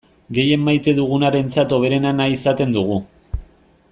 Gehien maite dugunarentzat hoberena nahi izaten dugu.